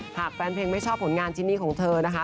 หากแฟนเพลงไม่ชอบผลงานชิ้นนี้ของเธอนะคะ